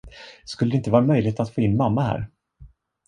Skulle det inte vara möjligt att få in mamma här?